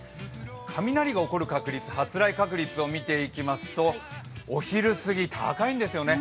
雷の起こる確率、発雷確率を見ていきますとお昼すぎ、高いんですよね。